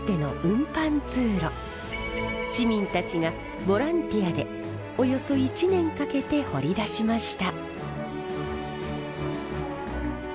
市民たちがボランティアでおよそ１年かけて掘り出しました。